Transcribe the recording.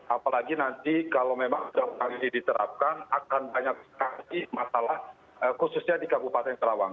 apalagi nanti kalau memang sudah lagi diterapkan akan banyak sekali masalah khususnya di kabupaten karawang